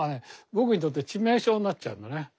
僕にとって致命傷になっちゃうのね。